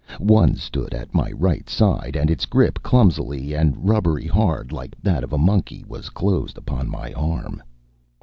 One stood at my right side, and its grip, clumsy and rubbery hard like that of a monkey, was closed upon my arm.